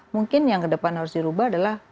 mungkin yang ke depan harus dirubah adalah